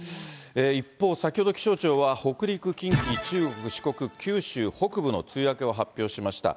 一方、先ほど気象庁は、北陸、近畿、中国、四国、九州北部の梅雨明けを発表しました。